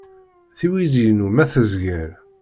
Tiwizi-inu ma tezger.